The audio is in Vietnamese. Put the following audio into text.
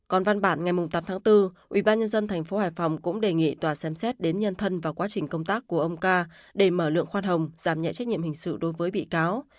còn văn bản ngày tám tháng bốn ubnd tp hải phòng cũng đề nghị tòa xem xét đến nhân thân và quá trình công tác của ông ca để mở lượng khoan hồng giảm nhẹ trách nhiệm hình sự đối với bị cáo